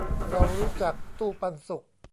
เรารู้จักตู้ปันสุข